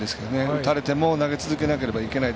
打たれても投げ続けなければいけない